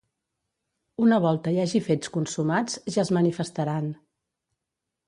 Una volta hi hagi fets consumats ja es manifestaran.